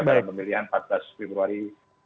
bermilihan empat belas februari dua ribu dua puluh empat